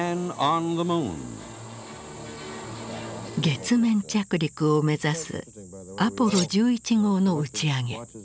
月面着陸を目指すアポロ１１号の打ち上げ。